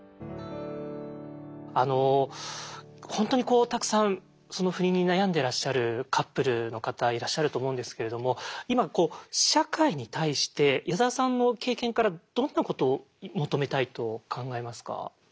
あの本当にこうたくさん不妊に悩んでいらっしゃるカップルの方いらっしゃると思うんですけれども今社会に対して矢沢さんの経験からどんなことを求めたいと考えますか？